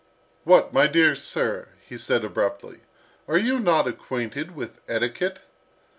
"What, my dear sir!" he said abruptly, "are you not acquainted with etiquette?